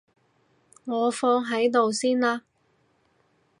我放喺度先啦